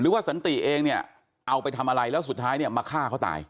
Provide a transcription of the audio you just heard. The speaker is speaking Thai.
สันติเองเนี่ยเอาไปทำอะไรแล้วสุดท้ายเนี่ยมาฆ่าเขาตาย